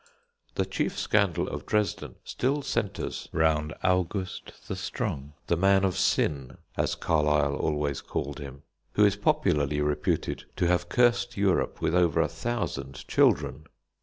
The chief scandal of Dresden still centres round August the Strong, "the Man of Sin," as Carlyle always called him, who is popularly reputed to have cursed Europe with over a thousand children.